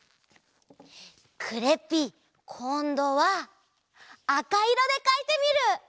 クレッピーこんどはあかいろでかいてみる！